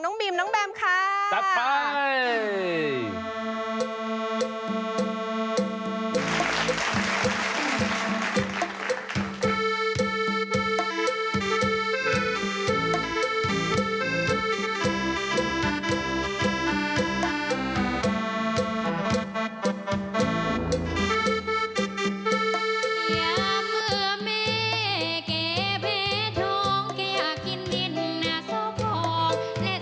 และส่งมามาข้ามมาเฟืองลูกใหญ่มาไฟลูกล้าม